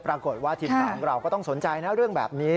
ปรากฏว่าทีมข่าวของเราก็ต้องสนใจนะเรื่องแบบนี้